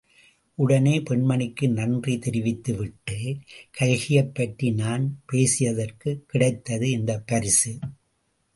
உடனே பெண்மணிக்கு நன்றி தெரிவித்து விட்டு, கல்கியைப் பற்றி நான் பேசியதற்குக் கிடைத்தது இந்தப் பரிசு.